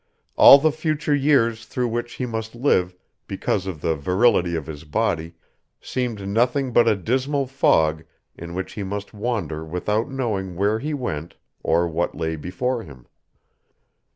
All the future years through which he must live because of the virility of his body seemed nothing but a dismal fog in which he must wander without knowing where he went or what lay before him.